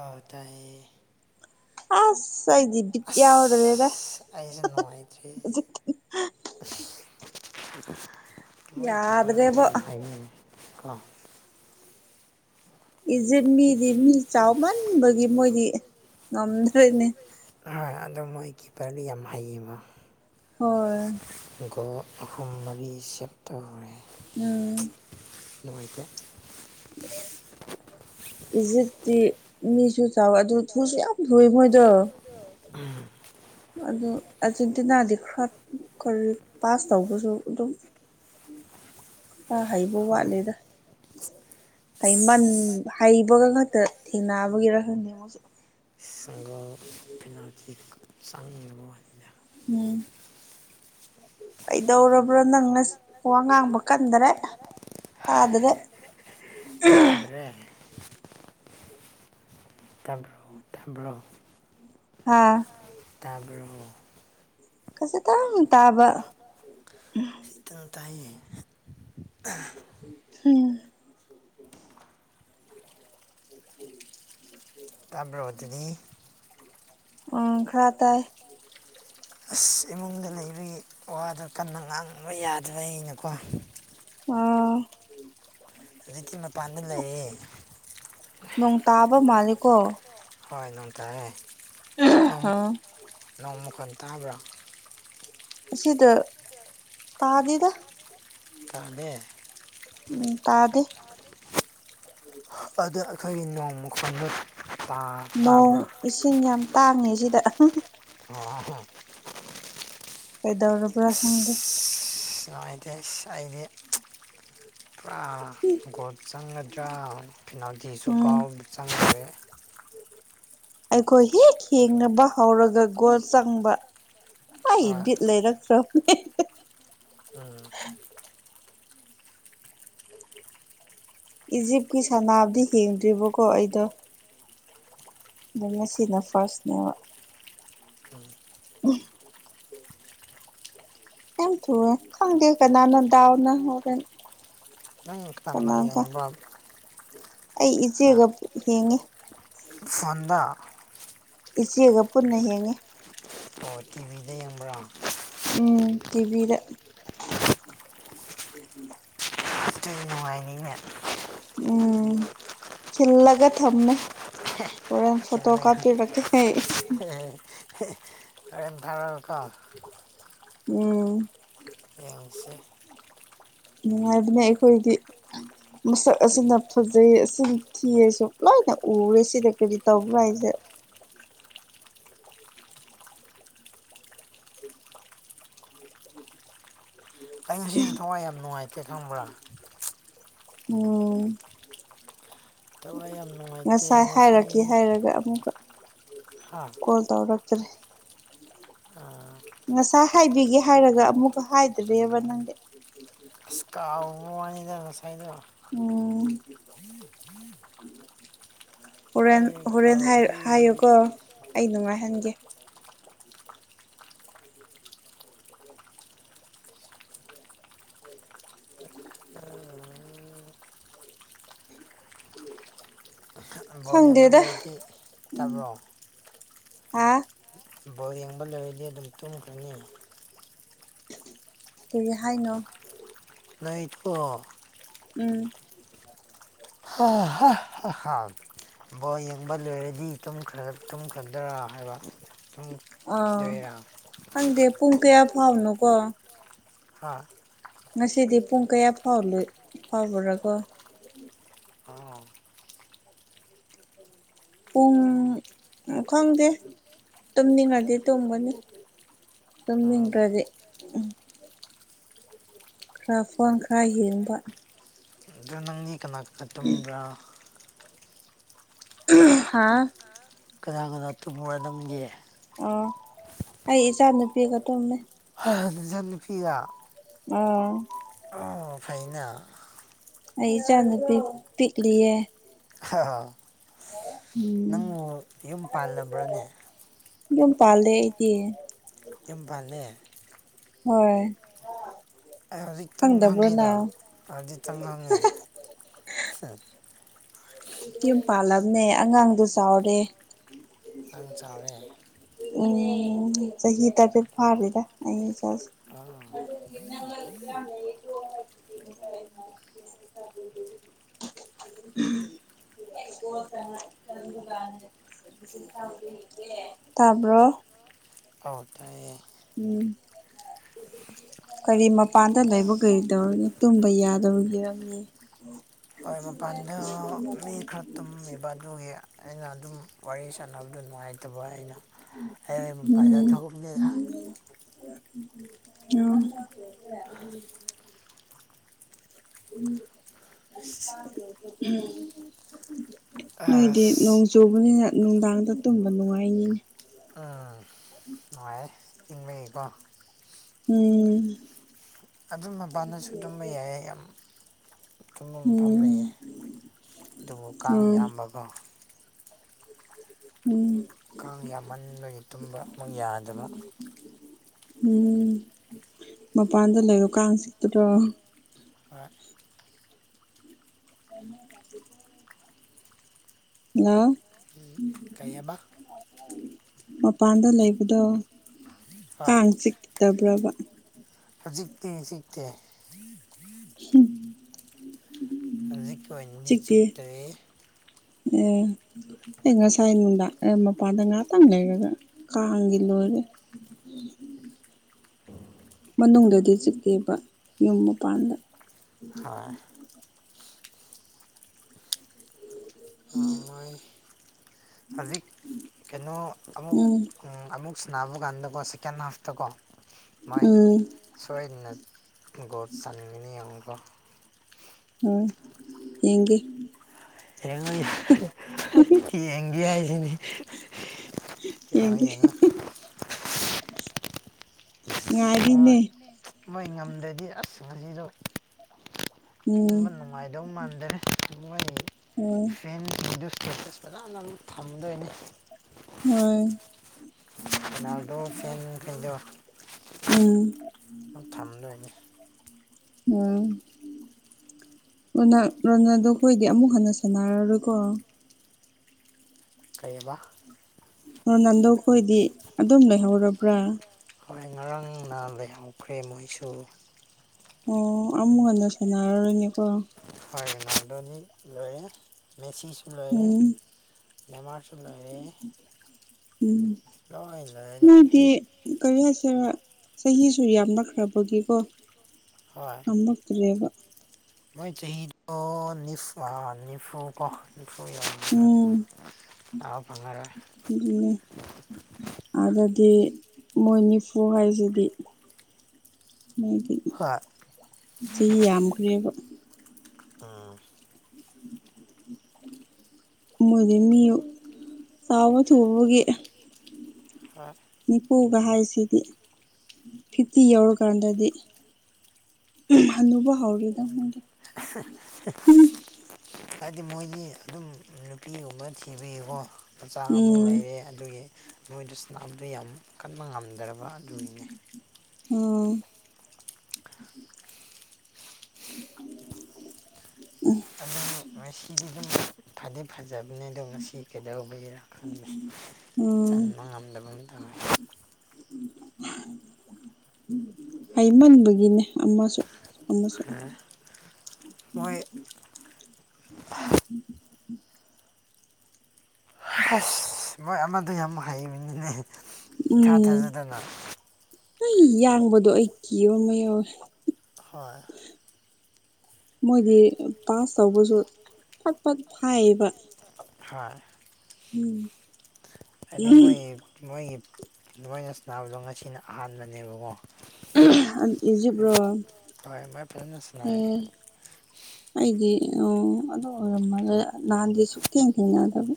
ꯑꯥ ꯇꯥꯏꯌꯦ ꯑꯁ ꯑꯩꯗꯤ ꯕꯤꯠ ꯌꯥꯎꯗꯔꯦꯗ ꯑꯩꯁꯨ ꯅꯨꯡꯉꯥꯏꯇ꯭ꯔꯤ ꯑꯁ ꯃꯣꯏ ꯀꯤꯄꯔꯅ ꯌꯥꯗ꯭ꯔꯦꯕꯣ ꯌꯥꯝꯅ ꯍꯥꯏꯅꯦ ꯀꯣ ꯏꯖꯤꯞ ꯃꯤꯗꯤ ꯃꯤ ꯆꯥꯎꯃꯟꯕꯒꯤ ꯃꯣꯏꯗꯤ ꯉꯝꯗ꯭ꯔꯦꯅꯦ ꯍꯣꯏ ꯑꯗꯣ ꯃꯣꯏ ꯀꯤꯞꯄꯔꯗꯨ ꯌꯥꯝ ꯍꯩꯌꯦꯕꯣ ꯍꯣꯏ ꯒꯣꯜ ꯑꯍꯨꯝ ꯃꯔꯤ ꯁꯦꯞ ꯇꯧꯔꯦ ꯎꯝ ꯅꯨꯡꯉꯥꯏꯇꯦ [inaudible] ꯏꯖꯤꯠꯇꯤ ꯃꯤꯁꯨ ꯆꯥꯎꯋꯦ ꯑꯗꯨ ꯊꯨꯁꯨ ꯌꯥꯝꯅ ꯊꯨꯏꯌꯦ ꯃꯣꯏꯗꯣ ꯎꯝ ꯑꯗꯨ ꯑꯥꯔꯖꯦꯟꯇꯤꯅꯥꯗꯤ ꯈꯔ ꯗꯨꯝ ꯀꯟ ꯄꯥꯁ ꯇꯧꯕꯁꯨ ꯑꯗꯨꯝ ꯈꯔ ꯍꯩꯕ ꯍꯣꯏ ꯋꯥꯠꯂꯦꯗ ꯍꯩꯏꯃꯟ ꯑꯁ ꯍꯩꯕꯒ ꯈꯛꯇ ꯊꯦꯡꯅꯕꯒꯤꯔ ꯈꯪꯗꯦ ꯃꯣꯏꯁꯨ [unintelligible] ꯆꯪꯉꯤꯃꯣꯏ ꯎꯝ ꯀꯩꯗꯧꯔꯕ꯭ꯔꯥ ꯅꯪ ꯉꯁꯤ ꯋꯥ ꯉꯥꯡꯕ ꯀꯟꯗꯔꯦ ꯇꯥꯗꯔꯦ ꯎꯝꯍ ꯇꯥꯗ꯭ꯔ‌ꯦ ꯇꯥꯕ꯭ꯔꯣ ꯇꯥꯕ꯭ꯔꯣ ꯍꯥꯥ ꯇꯥꯕ꯭ꯔꯣ ꯈꯖꯤꯛꯇꯪ ꯇꯥꯕ ꯈꯤꯇꯪ ꯇꯥꯏꯌꯦ ꯍꯝ [inaudible] ꯇꯥꯕ꯭ꯔꯣ ꯑꯗꯨꯗꯤ ꯎꯝ ꯈꯔ ꯇꯥꯏ ꯑꯁ ꯏꯃꯨꯡꯗ ꯂꯩꯕꯒꯤ ꯋꯥꯗꯣ ꯀꯟꯅ ꯉꯥꯡꯕ ꯌꯥꯗ꯭ꯔ‌ꯦ ꯅꯦꯀꯣ ꯑꯣ ꯍꯧꯖꯤꯛꯇꯤ ꯃꯄꯥꯟꯗ ꯂꯩꯌꯦ ꯅꯣꯡ ꯇꯥꯕ ꯃꯥꯂꯦꯀꯣ ꯍꯣꯏ ꯅꯣꯡ ꯇꯥꯏꯌꯦ ꯑꯥ ꯅꯣꯡ ꯃꯈꯣꯟ ꯇꯥꯕ꯭ꯔꯣ ꯑꯁꯤꯗ ꯇꯥꯗꯦꯗ ꯇꯥꯗꯦ ꯎꯝ ꯇꯥꯗꯦ ꯑꯗ ꯑꯈꯣꯏꯒꯤ ꯅꯣꯡ ꯃꯈꯣꯟꯗꯨ ꯅꯣꯡ ꯏꯁꯤꯡ ꯌꯥꯝ ꯇꯥꯡꯉꯦ ꯁꯤꯗ ꯑꯣ ꯍꯣ ꯀꯩ ꯗꯧꯔꯕ꯭ꯔꯥ ꯈꯪꯗꯦ ꯏꯁ ꯑꯩꯗꯤ ꯄꯨꯔꯥ ꯒꯣꯜ ꯆꯪꯒꯗ꯭ꯔꯥ ꯐꯤꯅꯥꯜꯇꯤꯁꯨ ꯎꯝ ꯀꯥꯎ ꯆꯪꯗ꯭ꯔꯦ ꯑꯩꯈꯣꯏ ꯍꯦꯛ ꯌꯦꯡꯉꯕ ꯍꯧꯔꯒ ꯒꯣꯜ ꯆꯪꯕ ꯑꯩ ꯍꯣꯏ ꯕꯤꯠ ꯂꯩꯔꯛꯇ꯭ꯔꯣ ꯎꯝ ꯏꯖꯤꯞꯀꯤ ꯁꯅꯥꯕꯗꯤ ꯍꯦꯡꯗ꯭ꯔꯤꯕꯀꯣ ꯑꯩꯗꯣ ꯕꯨꯡꯉꯣꯁꯤꯅ ꯐꯥꯔꯁꯅ‌ꯦꯕ ꯌꯥꯝ ꯊꯨꯏꯋꯦ ꯈꯪꯗꯦ ꯀꯅꯥꯅ ꯗꯥꯎꯅ ꯍꯨꯔꯦꯟ ꯎꯝ ꯀꯅꯥ ꯌꯦꯡꯕꯅꯣ ꯑꯩ ꯏꯆꯦꯒ ꯌꯦꯡꯉ‌ꯦ ꯐꯣꯟꯗ ꯏꯆꯦꯒ ꯄꯨꯟꯅ ꯌꯦꯡꯉꯦ ꯑꯣ ꯇꯤꯚꯤꯗ ꯌꯦꯡꯕ꯭ꯔꯥ ꯎꯝ ꯇꯤꯚꯤꯗ ꯅꯨꯡꯉꯥꯏꯅꯤꯅꯦ ꯎꯝ ꯈꯤꯜꯂꯒ ꯊꯝꯃꯦ ꯍꯣꯔꯦꯟ ꯐꯣꯇꯣ ꯈꯤꯜꯂꯒ ꯀꯥꯞꯄꯤꯔꯛꯀꯦ [unintelligible] ꯍꯣꯔꯦꯟ ꯊꯥꯔꯛꯑꯨꯀꯣ ꯎꯝ ꯌꯦꯡꯁꯦ ꯅꯨꯡꯉꯥꯏꯕꯅꯦ ꯑꯩꯈꯣꯏꯗꯤ ꯃꯁꯛ ꯑꯁꯤꯅ ꯐꯖꯩ ꯑꯁꯤꯅ ꯊꯤꯌꯦꯁꯨ ꯂꯣꯏꯅ ꯎꯔꯦ ꯁꯤꯗ ꯀꯔꯤ ꯇꯧꯕ꯭ꯔꯥ ꯍꯥꯏꯁꯦ ꯑꯩ ꯉꯁꯤꯗꯨ ꯊꯋꯥꯏ ꯌꯥꯝ ꯅꯨꯡꯉꯥꯏꯇꯦ ꯈꯪꯕ꯭ꯔꯥ ꯎꯝ ꯊꯋꯥꯏ ꯌꯥꯝ ꯅꯨꯡꯉꯥꯏꯇꯦ ꯉꯁꯥꯏ ꯉꯁꯤ ꯍꯥꯏꯔꯛꯀꯦ ꯍꯥꯏꯔꯒ ꯑꯃꯨꯛꯀ ꯍꯥ ꯀꯣꯜ ꯇꯧꯔꯛꯇ꯭ꯔꯦ ꯑꯥ ꯉꯁꯥꯏ ꯍꯥꯏꯕꯤꯒꯦ ꯍꯥꯏꯔꯒ ꯑꯃꯨꯛꯀꯥ ꯍꯥꯏꯗ꯭ꯔꯦꯕ ꯅꯪꯗꯤ ꯑꯁ ꯀꯥꯎꯕ ꯋꯥꯅꯤꯗ ꯉꯁꯥꯏꯗꯣ ꯎꯝ ꯍꯣꯔꯦꯟ ꯑꯩ ꯍꯣꯔꯦꯟ ꯍꯥꯏꯔꯨ ꯀꯥꯎꯏ ꯍꯥꯏꯌꯨꯀꯣ ꯑꯩ ꯅꯨꯡꯉꯥꯏꯍꯟꯒꯦ ꯑꯥ ꯕꯣꯜ ꯌꯦꯡꯕ ꯈꯪꯗꯦꯗ ꯂꯩꯔꯗꯤ ꯎꯝ ꯇꯥꯕ꯭ꯔꯣ ꯍꯥ ꯕꯣꯜ ꯌꯦꯡꯕ ꯂꯩꯔꯗꯤ ꯑꯗꯨꯝ ꯇꯨꯝꯈ꯭ꯔꯅꯤ ꯀꯔꯤ ꯍꯥꯏꯅꯣ ꯂꯩꯩꯀꯣ ꯎꯝ [inaudible] ꯕꯣꯜ ꯌꯦꯡꯕ ꯂꯣꯏꯔꯗꯤ ꯇꯨꯝꯈꯥ ꯇꯨꯝꯈꯥꯗ꯭ꯔꯥ ꯍꯥꯏꯕ ꯑꯥ ꯇꯨꯝꯈꯤꯗꯣꯏꯔꯥ ꯈꯪꯗꯦ ꯄꯨꯡ ꯀꯌꯥ ꯐꯥꯎꯅꯣꯀꯣ ꯍꯥꯥ ꯉꯁꯤꯗꯤ ꯄꯨꯡ ꯀꯌꯥꯥꯎ ꯐꯥꯎꯕ꯭ꯔꯥ ꯀꯣ ꯑꯎ [inaudible] ꯄꯨꯡ ꯈꯪꯗꯦ ꯇꯨꯝꯅꯤꯡꯉꯗꯤ ꯇꯨꯝꯒꯅꯤ ꯎꯝ ꯇꯨꯝꯅꯤꯡꯗ꯭ꯔꯗꯤ ꯈꯔ ꯐꯣꯟ ꯈꯔ ꯍꯦꯡꯕ ꯑꯗꯨ ꯅꯪꯗꯤ ꯀꯅꯥ ꯀꯅꯥ ꯇꯨꯝꯕ꯭ꯔꯥ [unintelligible] ꯍꯥꯥ ꯀꯅꯥ ꯀꯅꯥ ꯇꯨꯝꯃꯨꯔꯅꯪꯒꯦ ꯑꯣ ꯑꯩ ꯏꯆꯥ ꯅꯨꯨꯄꯤꯒ ꯇꯨꯝꯃꯦ [unintelligible] ꯅꯆꯥꯅꯨꯄꯤꯒꯥ ꯎꯝ ꯑꯣ ꯐꯩꯏꯅ ꯑꯩ ꯏꯆꯥ ꯅꯨꯨꯄꯤ ꯄꯤꯛꯂꯤꯌꯦ ꯑ ꯎꯝ ꯅꯪꯕꯨ ꯌꯨꯝ ꯄꯥꯜꯂꯕ꯭ꯔꯣꯅꯦ ꯌꯨꯝ ꯄꯥꯜꯂꯦ ꯑꯩꯗꯤ ꯌꯨꯝ ꯄꯥꯜꯂꯦ ꯍꯣꯏ ꯑ ꯩ ꯍꯧꯖꯤꯛꯇꯪ ꯈꯪꯗꯕ꯭ꯔꯣ ꯈꯪꯉꯤꯗ ꯅꯪ ꯍꯧꯖꯤꯛꯇꯪ ꯈꯪꯉ‌ꯦ ꯌꯨꯝ ꯄꯥꯜꯂꯝꯅꯦ ꯑꯉꯥꯡꯗꯣ ꯆꯥꯎꯔꯦ ꯉꯥꯡ ꯆꯥꯎꯔꯦ ꯎꯝ ꯆꯍꯤ ꯇꯔꯦꯠ ꯐꯥꯗ꯭ꯔꯤꯗ ꯑꯩ ꯆꯥꯁꯩ ꯑꯥ [inaudible] [inaudible] [unintelligible] ꯇꯥꯝꯕ꯭ꯔꯣ ꯑꯎ ꯇꯥꯏꯌꯦ ꯎꯝ ꯀꯔꯤ ꯃꯄꯥꯟꯗ ꯂꯩꯕ ꯀꯔꯤꯗꯧꯔꯤꯒꯦ ꯇꯨꯝꯕ ꯌꯥꯗꯧꯒꯤꯦꯔꯝꯃꯤ ꯍꯈꯣꯏ ꯃꯄꯥꯟꯗ ꯃꯤ ꯈ ꯇꯨꯝꯃꯤꯕ ꯑꯗꯨꯒꯤ ꯑꯩꯅ ꯑꯗꯨꯝ ꯋꯥꯔꯤ ꯁꯥꯟꯅꯕꯗ ꯅꯨꯡꯉꯥꯏꯇꯕ ꯑꯩꯅ ꯖꯔ ꯎꯝ ꯊꯒꯝ ꯂꯩ ꯎꯝ ꯅꯣꯏꯗꯤ ꯅꯣꯡ ꯑꯁ ꯆꯨꯕꯅꯤꯅ ꯅꯨꯡꯗꯥꯡꯗ ꯇꯨꯝꯕ ꯅꯨꯡꯉꯥꯏꯅꯤꯅꯤ ꯎꯝ ꯅꯨꯡꯉꯥꯏꯔꯦ ꯏꯤꯡꯕꯒꯤꯀꯣ ꯎꯝ ꯑꯗꯨ ꯃꯄꯅꯁꯨ ꯑꯗꯨꯝꯕ ꯌꯥꯏꯌꯦ ꯌꯥꯝ ꯊꯨꯝꯐꯝ ꯃꯐꯝ ꯎꯝ ꯂꯩꯌꯦ ꯑꯗꯨꯕꯨ ꯀꯥꯡ ꯑꯣ ꯌꯥꯝꯌꯥꯝꯕꯒꯣ ꯎꯝ ꯀꯥꯡ ꯌꯥꯝꯃꯟ ꯑꯣꯏꯅ ꯇꯨꯝꯕ ꯑꯃꯨꯛ ꯌꯥꯗꯕ ꯎꯝ ꯃꯄꯥꯟꯗ ꯂꯩꯔꯣ ꯀꯥꯡ ꯆꯤꯠꯇꯗꯣ ꯍꯣꯏ ꯑꯅ ꯑ ꯀꯩꯕ ꯃꯄꯥꯟꯗ ꯂꯩꯕꯗꯣ ꯍꯣꯏ ꯀꯥꯡ ꯆꯤꯛꯇꯕ꯭ꯔꯕ ꯍꯧꯖꯤꯛꯇꯤ ꯍꯧꯖꯤꯛꯇꯦ ꯍ ꯎꯝ ꯍꯧꯖꯤꯛꯀꯤ ꯑꯣꯏꯅꯗꯤ ꯆꯤꯛꯇꯦ ꯎꯝ ꯑꯩ ꯉꯁꯥꯏ ꯅꯨꯡꯗꯥ ꯃꯄꯥꯟꯗ ꯉꯍꯥꯛꯇꯪ ꯂꯩꯔꯒ ꯀꯥꯡꯒꯤ ꯂꯣꯏꯔꯦ ꯎꯝ ꯎꯝ ꯃꯅꯨꯡꯗꯗꯤ ꯆꯤꯛꯑꯦꯕ ꯌꯨꯝ ꯃꯄꯥꯟꯗ ꯍꯣꯏ ꯎꯝ ꯃꯣꯏ ꯍꯧꯖꯤꯛ ꯀꯩꯅꯣ ꯑꯃꯨꯛ ꯎꯝ ꯑꯃꯨꯛ ꯁꯥꯟꯅꯕ ꯀꯥꯟꯗꯀꯣ ꯁꯦꯀꯦꯟ ꯍꯥꯐꯇꯀꯣ ꯃꯣꯏ ꯎꯝ ꯁꯣꯏꯗꯅ ꯒꯣꯠ ꯆꯥꯅꯤꯡꯉꯤꯅꯤ ꯌꯦꯡꯉꯨꯀꯣ ꯍꯣꯏ ꯌꯦꯡꯒꯦ ꯌꯦꯡꯉꯨ ꯌꯥꯏ ꯌꯦꯡꯒꯦ ꯍꯥꯏꯁꯤꯅꯤ ꯌꯦꯡꯉꯣ ꯍꯦꯡꯒꯤꯦ ꯌꯦꯡꯉꯣ ꯑ ꯁ ꯍꯣꯏ ꯃꯣꯏ ꯉꯝꯗ꯭ꯔꯗꯤ ꯑꯁ ꯉꯁꯤꯗꯣ ꯇꯨꯝꯕ ꯎꯝ ꯅꯨꯡꯉꯥꯏꯗꯧ ꯃꯥꯟꯗ꯭ꯔꯦ ꯃꯣꯏ ꯎꯝ ꯐ꯭ꯔꯦꯟꯁ ꯕꯤꯗꯤꯑꯣ ꯁꯀꯦꯇꯁ ꯐꯖꯅꯝ ꯊꯝꯃꯗꯣꯏꯅꯦ ꯍ ꯔꯣꯅꯥꯜꯗꯣ ꯐꯦꯟꯈꯩꯗꯣ ꯎꯝ ꯊꯝꯗꯣꯏꯅꯤ ꯑꯝ ꯔꯣꯅꯗꯣ ꯑꯩꯈꯣꯏꯗꯤ ꯑꯃꯨꯛ ꯍꯟꯅ ꯁꯥꯟꯅꯔꯔꯣꯏꯀꯣ ꯀꯩꯨꯝꯕ ꯔꯣꯅꯥꯜꯗꯣ ꯈꯣꯏꯗꯤ ꯑꯗꯨꯝ ꯂꯩꯍꯧꯔꯕ꯭ꯔꯥ ꯍꯣꯏ ꯉꯔꯥꯡꯅ ꯂꯩꯍꯧꯈ꯭ꯔꯦ ꯃꯣꯏꯁꯨ ꯑꯣ ꯑꯃꯨ ꯉꯟꯅ ꯁꯥꯟꯅꯔꯔꯣꯏꯅꯦꯀꯣ ꯍꯣꯏ ꯃ ꯑꯗꯨꯣꯅꯤ ꯂꯣꯏꯌꯦ ꯃꯦꯁꯤꯖ [unintelligible] ꯂꯣꯏꯔꯦ ꯎꯝ ꯅꯦꯃꯥꯔꯁꯨ ꯂꯣꯏꯔꯦ ꯎꯝ ꯇꯣꯏ ꯂꯣꯏꯔꯝꯅꯤ ꯅꯣꯏꯗꯤ ꯀꯔꯤ ꯍꯥꯏꯁꯤꯔ ꯆꯍꯤꯁꯨ ꯌꯥꯝ ꯅꯛꯈ꯭ꯔꯕꯗꯤꯀꯣ ꯍꯣꯏ ꯉꯝꯃꯛ [unintelligible] ꯃꯣꯏ ꯆꯍꯤꯗꯣ ꯅꯤꯐꯥ ꯅꯤꯐꯨ ꯀꯣ ꯎꯝ [unintelligible] ꯑꯗꯨꯅꯦ ꯑꯗꯨꯗꯤ ꯃꯣꯏ ꯅꯤꯐꯨ ꯍꯥꯏꯁꯤꯗꯤ ꯃꯣꯏꯗꯤ ꯍꯣꯏ ꯆꯍꯤ ꯌꯥꯝꯈ꯭ꯔꯦꯕ ꯎꯝ ꯃꯣꯏꯗꯤ ꯃꯤ ꯆꯥꯎꯕ ꯊꯨꯕꯒꯤ ꯑ ꯅꯤꯐꯨꯒ ꯍꯥꯏꯁꯤꯗꯤ ꯐꯤꯐꯇꯤ ꯌꯧꯔꯀꯥꯟꯗꯗꯤ ꯍꯅꯨꯕ ꯍꯧꯔꯦꯗ ꯃꯣꯏꯗꯤ [unintelligible] ꯍꯥꯏꯗꯤ ꯃꯣꯏꯗꯤ ꯑꯗꯨꯝ ꯅꯨꯄꯤꯒꯨꯝꯕ ꯊꯤꯕꯒꯤꯀꯣ ꯃꯆꯥ ꯑꯃꯨꯛ ꯎꯝ ꯂꯩꯔꯦ ꯑꯗꯨꯒꯤ ꯃꯣꯏꯗꯨ ꯁꯅꯥꯕꯗꯨ ꯌꯥꯝ ꯀꯟꯕ ꯉꯝꯗ꯭ꯔꯕ ꯑꯗꯨꯅꯤꯅꯦ ꯎꯝ ꯃꯦꯁꯤꯗꯨ ꯗꯨꯝ ꯐꯗꯤ ꯐꯖꯕꯅꯦꯗꯣ ꯉꯁꯤ ꯀꯩꯗꯧꯕꯒꯤꯔꯥ ꯈꯪꯗꯦ ꯎꯝ ꯆꯟꯕ ꯉꯝꯗꯕꯝ ꯇꯧꯔꯦ [inaudible] ꯍꯩꯃꯟꯕꯒꯤꯅꯦ ꯑꯃꯁꯨ ꯑꯃꯁꯨ [unintelligible] ꯃꯣꯏ ꯑꯁ ꯃꯣꯏ ꯑꯃꯗꯣ ꯌꯥꯝ ꯍꯩꯕꯅꯤꯅꯦ ꯏꯊꯥ ꯎꯝ ꯊꯥꯖꯗꯅ ꯍ ꯌꯥꯡꯕꯗꯣ ꯑꯩ ꯀꯤꯕ ꯑꯃ ꯌꯥꯎꯋꯦ ꯍꯣꯏ ꯃꯣꯏꯗꯤ ꯄꯥꯁ ꯇꯧꯕꯁꯨ ꯐꯠ ꯐꯠ ꯐꯥꯏꯌꯦꯕ ꯍꯣꯏ ꯎꯝ ꯍꯥꯏꯗꯤ ꯃꯣꯏ ꯃꯣꯏꯒꯤ ꯃꯣꯏꯅ ꯁꯥꯅꯕꯗꯣ ꯉꯁꯤꯅ ꯑꯍꯥꯟꯕꯅꯦꯕꯀꯣ [unintelligible] ꯏꯖꯤꯞ ꯔꯣ ꯍꯣꯏ ꯃꯣꯏ ꯐꯖꯅ ꯁꯥꯟꯅꯩ ꯎꯝ ꯑꯩꯗꯤ ꯎ ꯑꯗꯨ ꯑꯣꯏꯔꯝꯃꯒ ꯅꯍꯥꯟꯗꯤ ꯁꯨꯛ ꯊꯦꯡ ꯊꯦꯡꯅꯗꯕ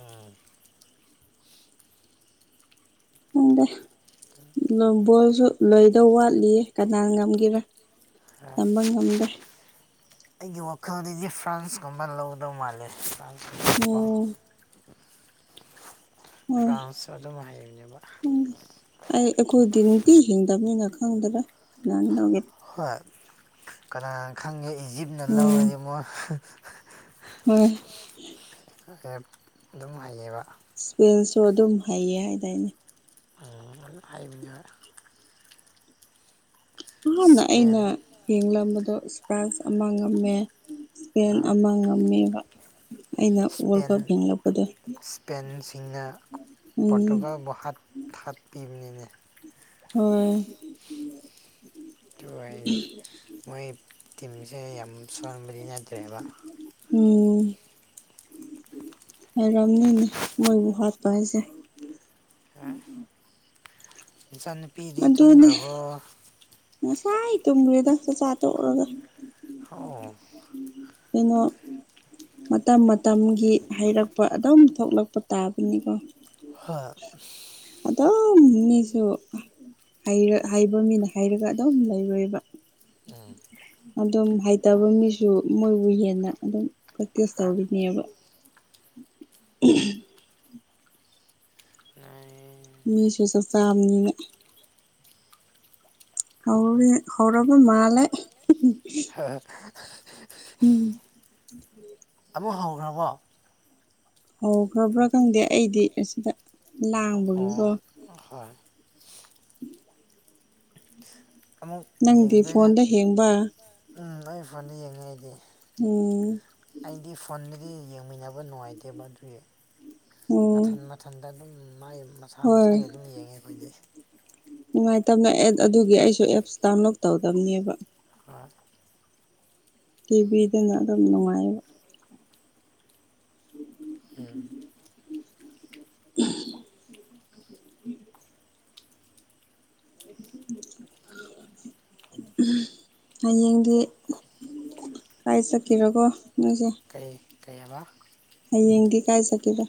ꯎꯝ ꯈꯪꯗꯦ ꯅꯝꯕꯣꯜꯁꯨ ꯂꯣꯏꯗꯧ ꯋꯥꯠꯂꯤ ꯀꯅꯥ ꯉꯝꯒꯦꯔꯥ ꯍꯣꯏ ꯇꯝꯕ ꯉꯝꯗꯦ ꯑꯩꯒꯤ ꯋꯥꯈꯜꯗꯗꯤ ꯐ꯭ꯔꯥꯟꯁꯀꯨꯝꯕ ꯂꯧꯗꯧ ꯃꯥꯜꯂꯦ ꯐ꯭ꯔꯥꯟꯁꯀꯨꯝꯕ ꯀꯣ ꯎꯝ ꯍꯣꯏ ꯐ꯭ꯔꯥꯟꯁ ꯑꯗꯨꯝ ꯍꯩꯕꯅꯦꯕ ꯈꯪꯗꯦ ꯑꯩ ꯑꯩꯈꯣꯏꯗꯤ ꯅꯨꯡꯇꯤ ꯍꯤꯡꯗꯕꯅꯤꯅ ꯈꯪꯗ꯭ꯔꯦ ꯀꯅꯅ ꯂꯧꯒꯦ ꯍꯣꯏ ꯀꯅꯥꯅ ꯈꯪꯒꯦ ꯏꯖꯤꯞꯅ ꯂꯧꯔꯗꯤ ꯃꯣꯏ ꯎꯝ ꯑꯦꯞ ꯑꯗꯨꯝ ꯍꯩꯌꯦꯕ ꯁꯄꯦꯟꯁꯨ ꯑꯗꯨꯝ ꯍꯩꯌꯦ ꯍꯥꯏꯗꯥꯏꯅꯦ [unintelligible] ꯅꯍꯥꯟꯅ ꯏꯁꯄꯦꯟ ꯑꯩꯅ ꯌꯦꯡꯂꯝꯕꯗꯣ ꯏꯁꯄ꯭ꯔꯥꯏꯁ ꯑꯃ ꯉꯝꯃꯦ ꯄꯦꯟ ꯑꯃ ꯉꯝꯃꯦꯕ ꯑꯩꯅ ꯋꯥꯔꯜ ꯄꯦꯟ ꯀꯞ ꯌꯦꯡꯂꯛꯄꯗꯣ ꯏꯁꯄꯦꯟꯁꯤꯡꯅ ꯎꯝ ꯄꯣꯔꯇꯨꯒꯜꯕꯨ ꯍꯥꯠ ꯊꯥꯒꯠꯄꯤꯕꯅꯤꯅꯦ ꯍꯣꯏ ꯑꯗꯨ ꯑꯣꯏꯗꯤ ꯃꯣꯏ ꯇꯤꯝꯁꯦ ꯌꯥꯝ ꯁꯣꯟꯕꯗꯤ ꯅꯠꯇ꯭ꯔꯦꯕ ꯎꯝ ꯍꯥꯏꯔꯝꯅꯤꯅꯦ ꯃꯣꯏꯕꯨ ꯍꯥꯠꯄ ꯍꯥꯏꯁꯦ ꯍꯥ ꯏꯆꯥꯅꯨꯄꯤꯗꯤ ꯑꯗꯨꯅꯦ ꯇꯨꯝꯈ꯭ꯔꯕꯣ ꯉꯁꯥꯏ ꯇꯨꯝꯈꯔꯗ ꯆꯥꯛ ꯆꯥꯇꯣꯛꯑꯒ ꯑꯣꯎ ꯀꯩꯅꯣ ꯃꯇꯝ ꯃꯇꯝꯒꯤ ꯍꯩꯔꯛꯄ ꯑꯗꯨꯝ ꯊꯣꯛꯂꯛꯄ ꯇꯥꯕꯅꯤꯀꯣ ꯍ ꯑꯗꯨꯝ ꯃꯤꯁꯨ ꯍꯩꯕ ꯃꯤꯅ ꯍꯥꯏꯔꯒ ꯑꯗꯨꯝ ꯂꯩꯔꯣꯏꯕ ꯎꯝ ꯑꯗꯨꯝ ꯍꯩꯇꯕ ꯃꯤꯁꯨ ꯃꯣꯏꯕꯨ ꯍꯦꯟꯅ ꯑꯗꯨꯝ ꯄ꯭ꯔꯦꯛꯇꯤꯁ ꯇꯧꯔꯤꯅꯦꯕ ꯎ ꯇꯥꯏꯑꯦ ꯃꯤꯁꯨ ꯆꯥꯛ ꯆꯥꯕꯅꯤꯅ ꯍꯧꯔꯦ ꯍꯧꯔꯕ ꯃꯥꯂꯦ ꯑꯥ ꯎꯝ ꯑꯃꯨꯛ ꯍꯥꯎꯈ꯭ꯔꯕꯣ ꯍꯧꯈ꯭ꯔꯕ꯭ꯔꯥ ꯈꯪꯗꯦ ꯑꯩꯗꯤ ꯑꯁꯤꯗ ꯑꯣ ꯂꯥꯡꯕꯒꯤꯀꯣ ꯍꯣꯏ ꯎꯝ ꯑꯃꯨꯛ ꯅꯪꯗꯤ ꯐꯣꯟꯗ ꯍꯦꯡꯕ ꯑꯩꯗꯤ ꯐꯣꯟꯗ ꯌꯦꯡꯉꯦꯏꯑꯦ ꯑꯩꯗꯤ ꯎꯝ ꯑꯩꯗꯤ ꯐꯣꯟꯗꯤ ꯌꯦꯡꯃꯤꯟꯅꯕ ꯅꯨꯡꯉꯥꯏꯇꯦꯕ ꯑꯗꯨꯏ ꯎꯝ ꯅꯊꯥꯟꯅ ꯃꯊꯟꯗ ꯑꯗꯨꯝ ꯃꯥꯏ ꯃꯁꯥ ꯍꯣꯏ ꯃꯁꯥꯒꯤ ꯑꯗꯨꯝ ꯌꯦꯡꯉꯦ ꯑꯩꯈꯣꯏꯗꯤ ꯅꯨꯡꯉꯥꯏꯇꯕꯅ ꯑꯦꯠ ꯑꯗꯨꯒꯤ ꯑꯩꯁꯨ ꯑꯦꯞꯁ ꯗꯥꯎꯟꯂꯣꯗ ꯇꯧꯗꯕꯅꯦꯕ꯫ ꯑ ꯇꯤꯕꯤꯗꯅ ꯑꯗꯨꯝ ꯅꯨꯡꯉꯥꯏꯌꯦꯕ꯫ ꯎꯝ [unintelligible] [unintelligible] ꯍꯌꯦꯡꯒꯤ ꯀꯥꯏ ꯆꯠꯈꯤꯅꯨꯀꯣ ꯅꯣꯏꯁꯦ ꯀꯩ ꯀꯩꯍꯥꯏꯕ ꯍꯌꯦꯡꯗꯤ ꯀꯥꯏ ꯆꯠꯇꯧꯕ